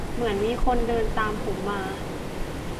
เหมือนมีคนเดินตามผมมา